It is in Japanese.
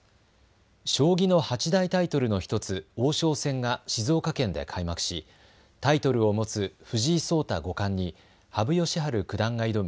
将棋の八大タイトルの１つ王将戦が静岡県で開幕しタイトルを持つ藤井聡太五冠に羽生善治九段が挑む